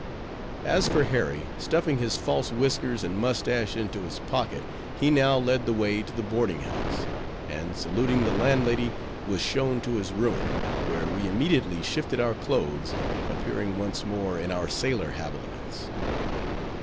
As for Harry, stuffing his false whiskers and mustache into his pocket, he now led the way to the boarding house; and saluting the landlady, was shown to his room; where we immediately shifted our clothes, appearing once more in our sailor habiliments.